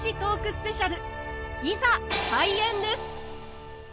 スペシャルいざ開演です！